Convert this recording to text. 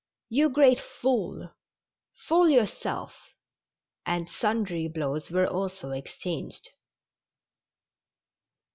''You great fool!" "Fool yourself! '' and sundry blows were also exchanged.